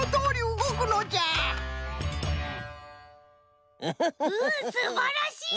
うんすばらしい！